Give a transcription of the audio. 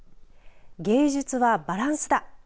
芸術はバランスだ！